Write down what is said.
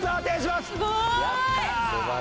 すごい！